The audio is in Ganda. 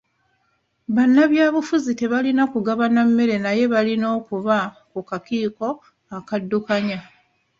Bannabyabufuzi tebalina kugaba mmere naye balina okuba ku kakiiko akadduukanya.